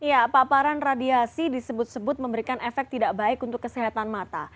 ya paparan radiasi disebut sebut memberikan efek tidak baik untuk kesehatan mata